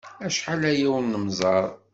Acḥal aya ur nemmẓer.